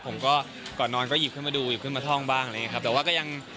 ผมก็ก่อนนอนก็หยิบขึ้นมาดูหยิบขึ้นมาท่องบ้างอะไรอย่างนี้ครับ